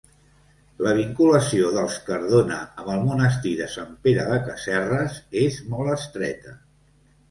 La vinculació dels Cardona amb el monestir de Sant Pere de Casserres és molt estreta.